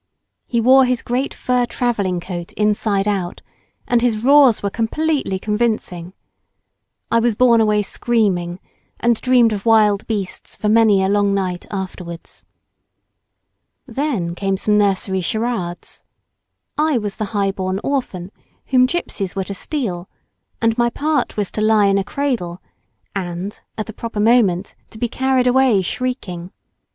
He wore his great fur travelling coat inside out, and his roars were completely convincing. I was borne away screaming, and dreamed of wild beasts for many a long night afterwards. Then came some nursery charades. I was the high born orphan, whom gipsies were to steal, and my part was to lie in a cradle, and, at the proper moment to be carried away shrieking.